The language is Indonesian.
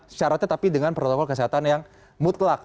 syaratnya tapi dengan protokol kesehatan yang mutlak